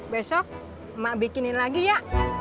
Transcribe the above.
besok mak bikinin lagi ya